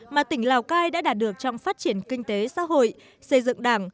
mà tỉnh lào cai đã đạt được trong phát triển kinh tế xã hội xây dựng đảng